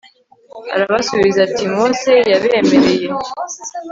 arabasubiza ati, mose yabemereye